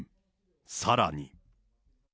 さらに。